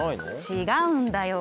違うんだよ。